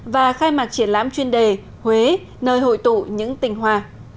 và khai mạc triển lãm chuyên đề huế nơi hội tụ những tình hòa